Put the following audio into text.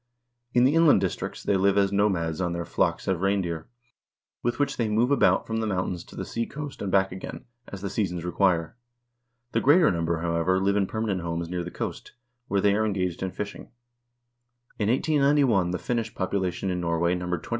In the inland districts they live as nomads on their flocks of reindeer, with which they move about from the mountains to the seacoast and back again, as the seasons require. The greater number, however, live in permanent homes near the coast, where they are engaged in fishing. In 1891 the Finnish population in Norway numbered 20,780.